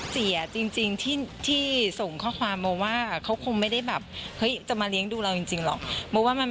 เสียจริงที่ส่งข้อความบอกว่า